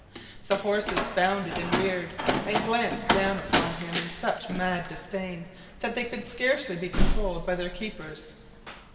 The horses bounded and reared, and glanced down upon him in such mad disdain, that they could scarcely be controlled by their keepers.